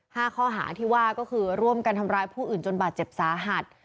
ห้าข้อหาที่ว่าก็คือร่วมกันทำร้ายผู้อื่นจนบาดเจ็บสาหัส